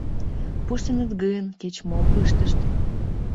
Пуштыныт гын, кеч-мом ыштышт.